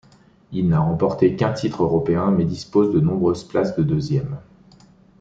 Il n'a remporté qu'un titre européen, mais dispose de nombreuses places de deuxième.